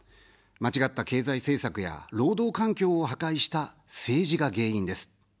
間違った経済政策や労働環境を破壊した政治が原因です。